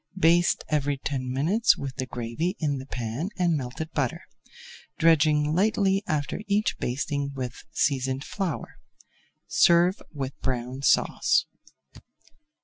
Baste every ten minutes with the gravy in the pan and melted butter, dredging lightly after each basting with seasoned flour. Serve with Brown Sauce.